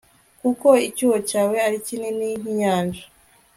kuko icyuho cyawe ari kinini nk inyanja